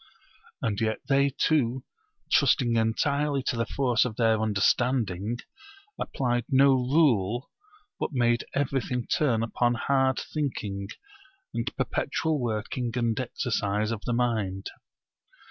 And yet they too, trusting entirely to the force of their understanding, applied no rule, but made everything turn upon hard thinking and perpetual working and exercise of the mind.